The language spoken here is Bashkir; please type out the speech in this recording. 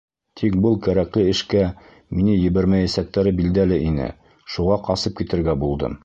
Тик был кәрәкле эшкә мине ебәрмәйәсәктәре билдәле ине, шуға ҡасып китергә булдым.